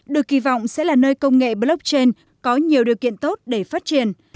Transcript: được kỳ vọng sẽ là nơi công nghệ blockchain có nhiều điều kiện tốt để phát triển